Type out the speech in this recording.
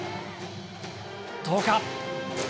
どうか。